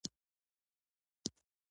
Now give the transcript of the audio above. ډیر ورته خو موږ باید دومره نقل قول ونه کړو